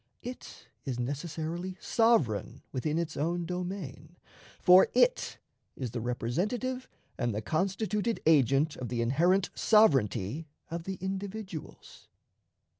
It is necessarily sovereign within its own domain, for it is the representative and the constituted agent of the inherent sovereignty of the individuals.